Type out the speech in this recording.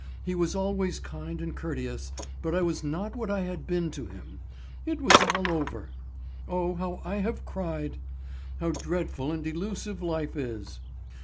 He was always kind and courteous, but I was not what I had been to him. It was all over! Oh, how I have cried! How dreadful and delusive life is!